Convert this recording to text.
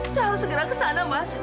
saya harus segera kesana mas